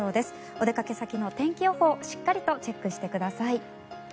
お出かけ先の天気予報をしっかりチェックしてください。